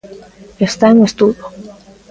Está en estudo.